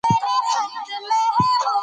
تاریخ د انسان د هيلو او ارمانونو انځور دی.